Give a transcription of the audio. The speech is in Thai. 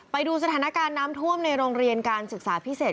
ไปดูสถานการณ์น้ำท่วมในโรงเรียนการศึกษาพิเศษ